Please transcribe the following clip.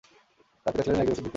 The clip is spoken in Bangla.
তার পিতা ছিলেন একজন ওষুধ বিক্রেতা।